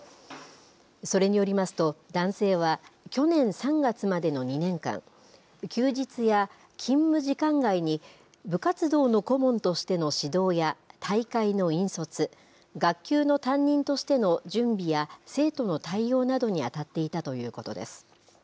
それによりますと、男性は去年３月までの２年間、休日や勤務時間外に、部活動の顧問としての指導や大会の引率、学級の担任としての準備や生徒の対応などに当たっていたということです。